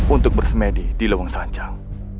untuk bersemedi di lewong sanjang